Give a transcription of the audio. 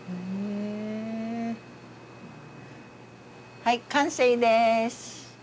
はい完成です。